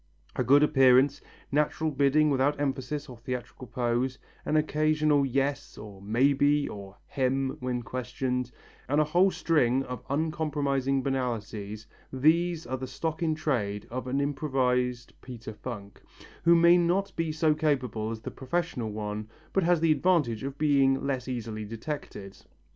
A good appearance, natural bidding without emphasis or theatrical pose, an occasional "yes" or "may be" or "hem" when questioned, and a whole string of uncompromising banalities, these are the stock in trade of an improvised Peter Funk, who may not be so capable as the professional one but has the advantage of being less easily detected.